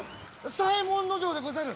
左衛門尉でござる！